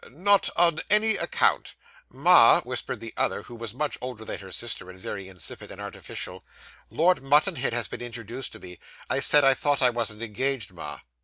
Not on any account.' 'Ma,' whispered the other, who was much older than her sister, and very insipid and artificial, 'Lord Mutanhed has been introduced to me. I said I thought I wasn't engaged, ma.